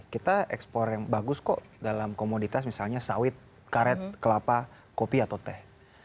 kita ekspor yang bagus kok dalam komoditas misalnya sawit karet kelapa kopi atau teh